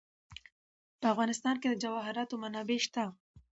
په افغانستان کې د جواهرات منابع شته.